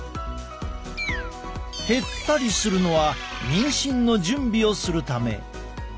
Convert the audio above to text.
減ったりするのは妊娠の準備をするため。